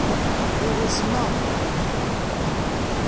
Lliɣ usmeɣ.